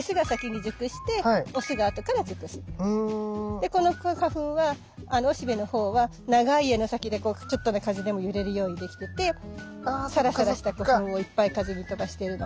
でこの花粉はおしべのほうは長い柄の先でちょっとの風でも揺れるようにできててサラサラした花粉をいっぱい風に飛ばしてるの。